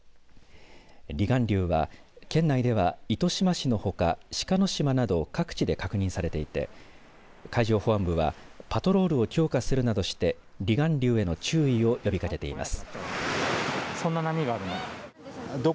離岸流は県内では糸島市のほか志賀島など各地で確認されていて海上保安部はパトロールを強化するなどして離岸流への注意を呼びかけています。